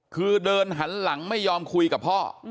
คือเดินหันหลังไม่ยอมคุยกับพ่อ